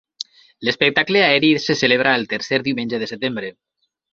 L'espectacle aeri se celebra el tercer diumenge de setembre.